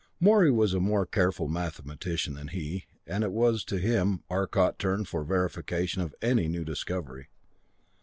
Morey was a more careful mathematician than he, and it was to him Arcot turned for verification of any new discovery.